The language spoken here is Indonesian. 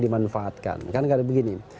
di manfaatkan karena begini